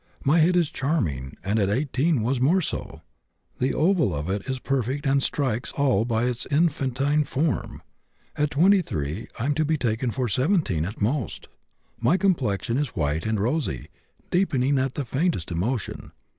My head is charming, and at 18 was more so. The oval of it is perfect and strikes all by its infantine form. At 23 I am to be taken for 17 at most. My complexion is white and rosy, deepening at the faintest emotion.